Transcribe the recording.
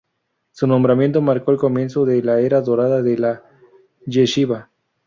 Su nombramiento marcó el comienzo de la era dorada de la yeshivá.